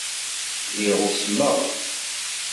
Lliɣ usmeɣ.